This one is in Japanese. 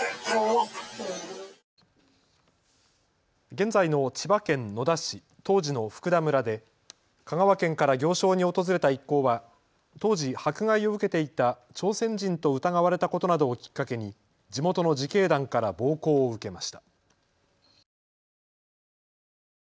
現在の千葉県野田市、当時の福田村で香川県から行商に訪れた一行は当時迫害を受けていた朝鮮人と疑われたことなどをきっかけに地元の自警団から暴行を受けました。